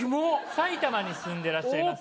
埼玉に住んでらっしゃいます？